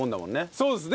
そうですね。